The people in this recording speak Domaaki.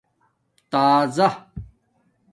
تازا